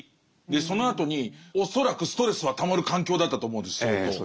そのあとに恐らくストレスはたまる環境だったと思うんです相当。